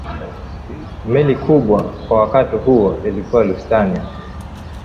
meli kubwa kwa wakati huo ilikuwa lusitania